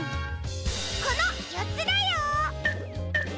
このよっつだよ！